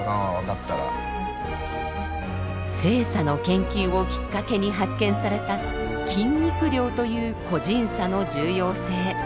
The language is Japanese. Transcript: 性差の研究をきっかけに発見された筋肉量という個人差の重要性。